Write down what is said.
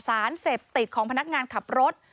สารเสพติดของพนักงานขับรถ